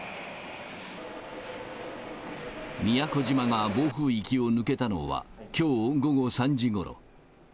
宮古島が暴風域を抜けたのは、きょう午後３時ごろ。